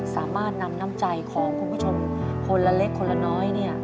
สามารถนำน้ำใจของคุณผู้ชมคนละเล็กคนละน้อย